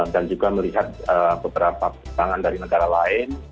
dan juga melihat beberapa pertanyaan dari negara lain